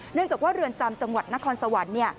เนื่องจากว่าเรือนจำจังหวัดนครสวรรค์